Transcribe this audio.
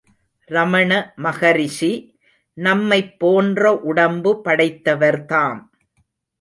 ரமண மகரிஷி நம்மைப் போன்ற உடம்பு படைத்தவர்தாம்.